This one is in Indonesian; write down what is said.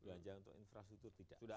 belanja untuk infrastruktur tidak